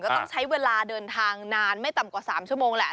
ต้องใช้เวลาเดินทางนานไม่ต่ำกว่า๓ชั่วโมงแหละ